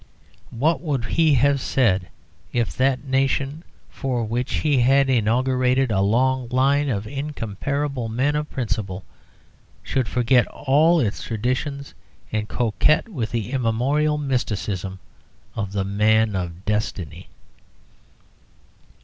What would he have said if that nation for which he had inaugurated a long line of incomparable men of principle should forget all its traditions and coquette with the immoral mysticism of the man of destiny?